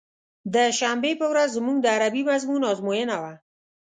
د شنبې په ورځ زموږ د عربي مضمون ازموينه وه.